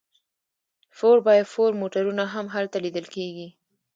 فور بای فور موټرونه هم هلته لیدل کیږي